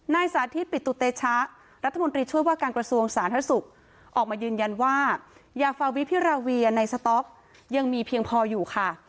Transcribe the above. สาธิตปิตุเตชะรัฐมนตรีช่วยว่าการกระทรวงสาธารณสุขออกมายืนยันว่ายาฟาวิพิราเวียในสต๊อกยังมีเพียงพออยู่ค่ะ